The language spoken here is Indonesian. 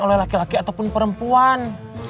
oleh laki laki ataupun perempuan